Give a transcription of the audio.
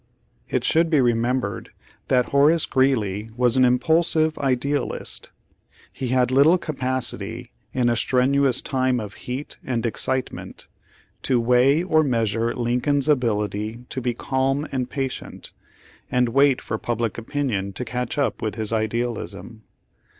It should be remembered that Horace Greeley was an impulsive idealist. He had little capacity, in a strenuous time of heat and excitement, to weigh or measure Lincoln's ability to be calm and patient, and wait for public opinion to catch up with his idealism.